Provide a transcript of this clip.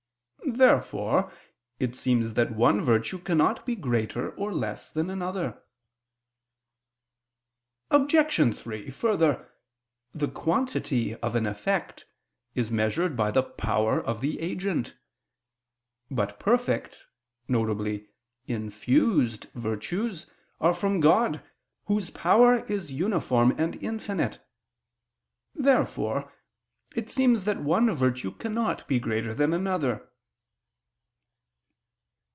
Therefore it seems that one virtue cannot be greater or less than another. Obj. 3: Further, the quantity of an effect is measured by the power of the agent. But perfect, viz. infused virtues, are from God Whose power is uniform and infinite. Therefore it seems that one virtue cannot be greater than another.